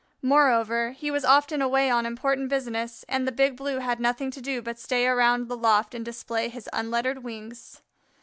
Moreover, he was often away on important business, and the Big Blue had nothing to do but stay around the loft and display his unlettered wings.